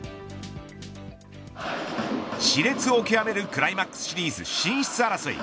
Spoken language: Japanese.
し烈をきわめるクライマックスシリーズ進出争い。